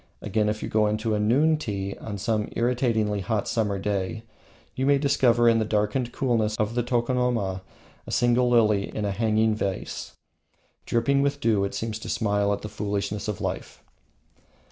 Again, if you go into a noon tea on some irritatingly hot summer day, you may discover in the darkened coolness of the tokonoma a single lily in a hanging vase; dripping with dew, it seems to smile at the foolishness of life.